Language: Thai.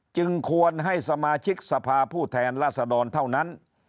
จึงควรให้สมาชิกสภาผู้แทนราษดรเท่านั้น